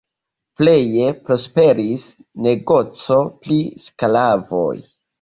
Pleje prosperis negoco pri sklavoj.